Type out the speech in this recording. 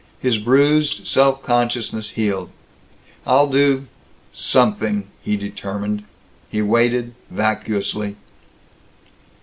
His bruised self consciousness healed. "I'll do something," he determined. He waited, vacuously.